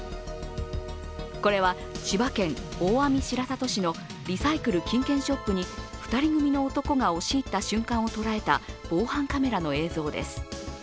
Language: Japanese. これは千葉県大網白里市のリサイクル・金券ショップに２人組の男が押し入った瞬間を捉えた防犯カメラの映像です。